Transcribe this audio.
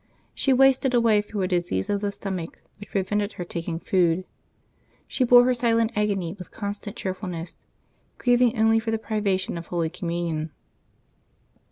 She wasted away through a disease of the stomach, which prevented her taking food. She bore her silent agony with constant cheerfulness, grieving only for the privation of Holy Communion.